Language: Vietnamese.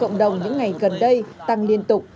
cộng đồng những ngày gần đây tăng liên tục